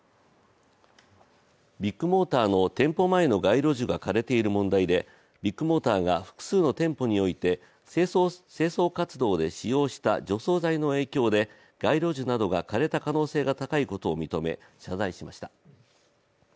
ビッグモーターの店舗前の街路樹が枯れている問題でビッグモーターが複数の店舗において、清掃活動で使用した除草剤の影響で、街路樹などが枯れた可能性が高いことを認め謝罪しました。